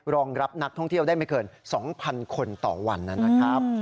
รองรับนักท่องเที่ยวได้ไม่เกิน๒๐๐๐คนต่อวันนะครับ